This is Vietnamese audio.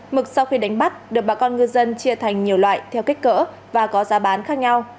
mực sau khi đánh bắt được bà con ngư dân chia thành nhiều loại theo kích cỡ và có giá bán khác nhau